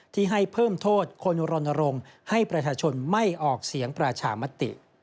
ที่ให้เพิ่มโทษคนรณรงค์ให้ประชาชนไม่ออกเสียงประชามติ